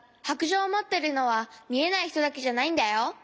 白杖をもってるのはみえないひとだけじゃないんだよ。